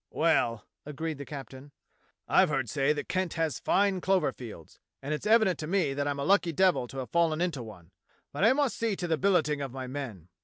"Well," agreed the captain, "I've heard say that Kent has fine clover fields, and it's evident to me that I'm a lucky devil and have fallen into one. But I must see to the billeting of my men.